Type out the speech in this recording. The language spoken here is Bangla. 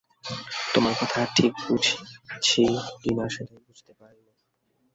তোমার কথা ঠিক বুঝছি কি না সেইটেই বুঝতে পারি নে।